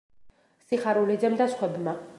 სიხარულიძემ და სხვებმა.